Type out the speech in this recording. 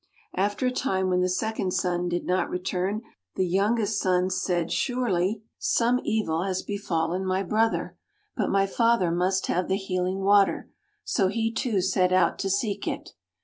After a time, when the second son did not return, the youngest son said, " Surely some [ 101 ] FAVORITE FAIRY TALES RETOLD evil has befallen my brother. But my father must have the healing water." So he, too, set out to seek it.